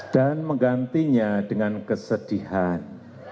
dan menggantinya dengan kesedihan